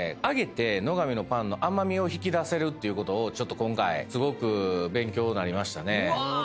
揚げて乃が美のパンの甘味を引き出せるっていうことを今回すごく勉強になりましたね。